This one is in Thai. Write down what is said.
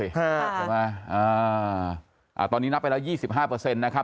ใช่ไหมอ่าตอนนี้นับไปแล้วยี่สิบห้าเปอร์เซ็นต์นะครับ